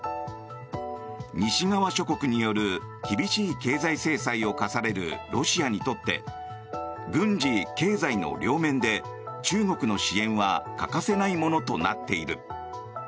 西側諸国による厳しい経済制裁を科されるロシアにとって軍事・経済の両面で中国の支援は欠かせないものとなっている。